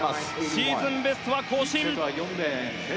シーズンベストは更新。